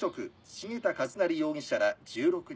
茂田一成容疑者ら１６人。